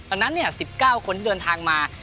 ตอนนั้นสิบเก้าคนที่เดินทางมา